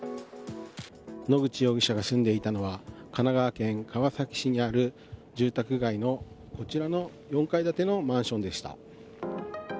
野口容疑者が住んでいたのは神奈川県川崎市にある住宅街の、こちらの４階建てのマンションでした。